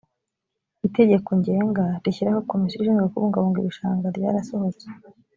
itegeko ngenga rishyiraho komisiyo ishizwe kubungabunga ibishanga ryasohotse